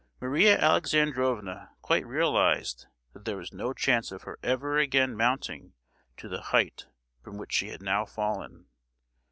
Maria Alexandrovna quite realised that there was no chance of her ever again mounting to the height from which she had now fallen.